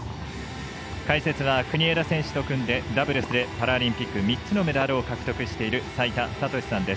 解説は国枝選手と組んでダブルス、パラリンピック３つのメダルを獲得している齋田悟司さんです。